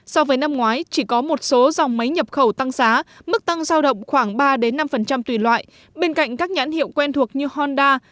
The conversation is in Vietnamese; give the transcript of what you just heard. so với năm ngoái chỉ có một số dòng máy nhập khẩu tăng giá mức tăng giao động khoảng ba năm tùy loại bên cạnh các nhãn hiệu quen thuộc như honda